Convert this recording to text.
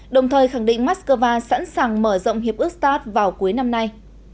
đồng thời khẳng định moscow sẵn sàng mở rộng hiệp ước start vào cuối năm nay